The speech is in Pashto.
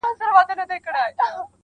• گراني شاعري ستا په خوږ ږغ كي.